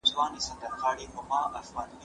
ما پرون د سبا لپاره د ليکلو تمرين وکړ!!